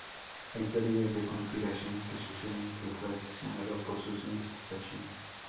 Hay teorías de conspiración que sugieren que fue asesinado por sus investigaciones.